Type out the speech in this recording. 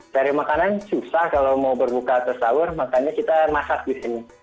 cari makanan susah kalau mau berbuka atau sahur makanya kita masak di sini